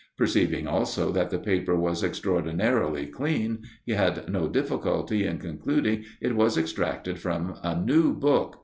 Perceiving also that the paper was extraordinarily clean, he had no difficulty in concluding it was extracted from a new book.